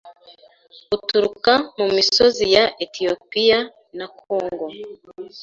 buturuka mu misozi ya Etiyopiya nakongo